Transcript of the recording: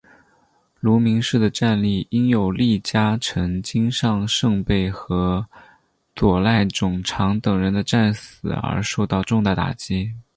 芦名氏的战力因有力家臣金上盛备和佐濑种常等人的战死而受到重大打击。